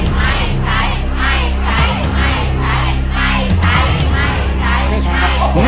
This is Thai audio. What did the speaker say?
ไม่ใช้ครับ